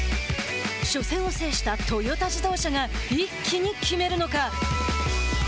初戦を制したトヨタ自動車が一気に決めるのか。